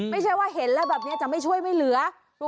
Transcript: ไม่ใช่ว่าเห็นแล้วแบบนี้จะไม่ช่วยไม่เหลือ